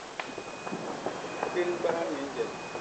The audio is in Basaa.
Kéñbaha nye njel.